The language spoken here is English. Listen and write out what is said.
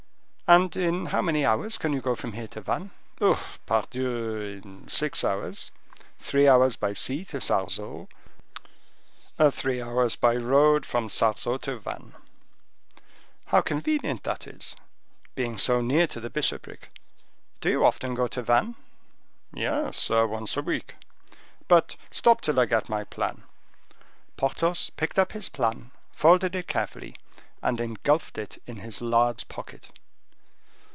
"And in how many hours can you go from here to Vannes?" "Oh! pardieu! in six hours. Three hours by sea to Sarzeau, three hours by road from Sarzeau to Vannes." "How convenient that is! Being so near to the bishopric; do you often go to Vannes?" "Yes; once a week. But, stop till I get my plan." Porthos picked up his plan, folded it carefully, and engulfed it in his large pocket.